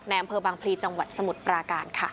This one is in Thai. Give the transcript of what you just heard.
อำเภอบางพลีจังหวัดสมุทรปราการค่ะ